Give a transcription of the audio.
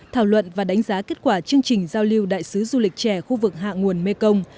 thảo luận và đánh giá kết quả chương trình giao lưu đại sứ du lịch trẻ khu vực hạ nguồn mekong